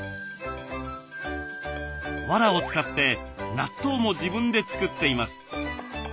わらを使って納豆も自分で作っています。